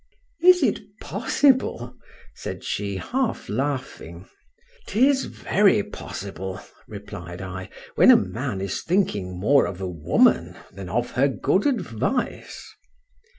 —Is it possible! said she, half laughing. 'Tis very possible, replied I, when a man is thinking more of a woman than of her good advice.